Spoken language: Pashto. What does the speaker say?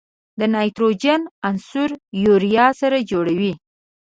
د نایتروجن عنصر یوریا سره جوړوي.